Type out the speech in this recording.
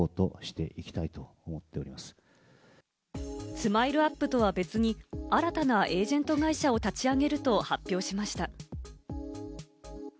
ＳＭＩＬＥ‐ＵＰ．とは別に、新たなエージェント会社を立ち上げると発表しました。